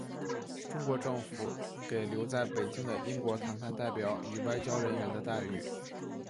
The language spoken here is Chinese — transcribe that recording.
中国政府给留在北京的英国谈判代表以外交人员的待遇。